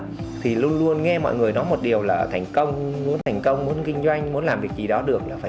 không có một điều là thành công muốn thành công muốn kinh doanh muốn làm việc gì đó được là phải